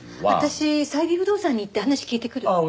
私最美不動産に行って話聞いてくる。